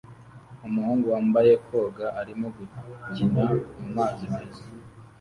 Umuhungu wambaye koga arimo gukina mumazi meza